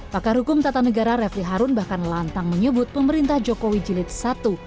pakar hukum tata negara refli harun bahkan lantang menyebut pemerintah jokowi jilid i